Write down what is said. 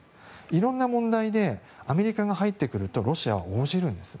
色んな問題でアメリカが入ってくるとロシアは応じるんです。